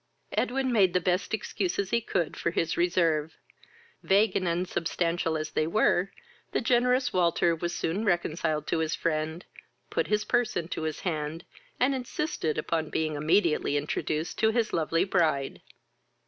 Edwin mad the best excuses he could for his reserve. Vague and unsubstantial as they were, the generous Walter was soon reconciled to his friend, put his purse into his hand, and insisted upon being immediately introduced to his lovely bride.